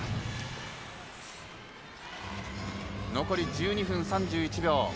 残り１２分３１秒。